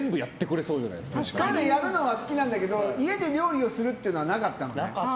そういうのやるのは好きなんだけど家で料理をすることはなかったのね。